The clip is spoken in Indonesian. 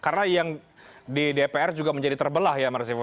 karena yang di dpr juga menjadi terbelah ya marsifo